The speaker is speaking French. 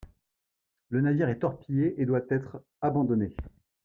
Le navire est torpillé et doit être abandonné.